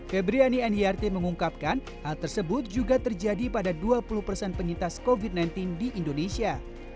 febriani niyarti mengungkapkan hal tersebut juga terjadi pada dua puluh persen penyitas covid sembilan belas di indonesia